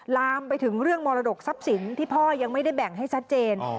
ลามไปถึงเรื่องมรดกทรัพย์สินที่พ่อยังไม่ได้แบ่งให้ชัดเจน